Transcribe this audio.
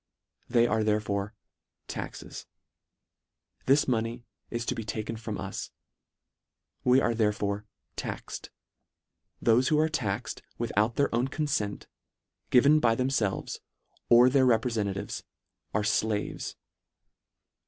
They are therefore taxes. This money is to be taken from us. We are therefore taxed. Thole who are taxed with out their own confent, given by themfelves, or their reprefentatives, are flaves.